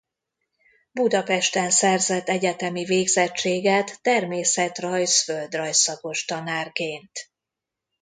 Budapesten szerzett egyetemi végzettséget természetrajz- földrajz szakos tanárként.